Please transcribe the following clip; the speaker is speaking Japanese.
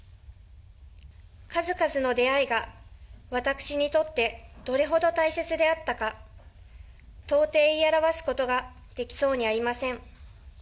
数々の出会いが私にとってどれほど大切であったか、到底言い表すことができそうにありません。